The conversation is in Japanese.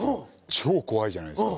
超怖いじゃないですか。